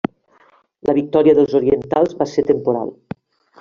La victòria dels orientals va ser temporal.